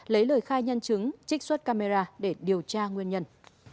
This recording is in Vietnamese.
lấy lời khai nhân chứng trích xuất camera để điều tra nguyên nhân